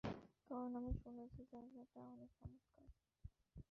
কারণ আমি শুনেছি জায়গাটা অনেক চমৎকার।